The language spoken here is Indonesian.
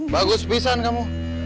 bagus pisah kamu